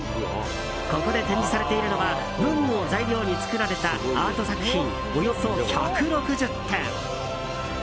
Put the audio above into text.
ここで展示されているのは文具を材料に作られたアート作品およそ１６０点。